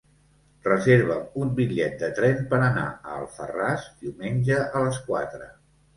Reserva'm un bitllet de tren per anar a Alfarràs diumenge a les quatre.